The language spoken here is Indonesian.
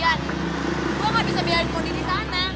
yan gue gak bisa biarin mondi di sana